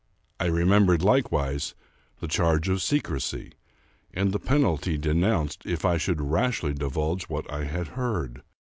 I remembered, likewise, the charge of secrecy, and the penalty denounced if I should rashly divulge what I had heard.